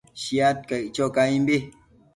Shiad caic cho caimbi